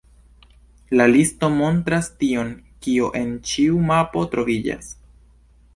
La listo montras tion, kio en ĉiu mapo troviĝas.